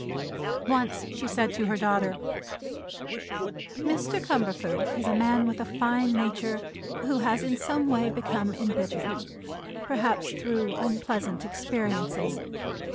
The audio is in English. Once she said to her daughter: "Mr. Cumberford is a man with a fine nature who has in some way become embittered; perhaps through unpleasant experiences.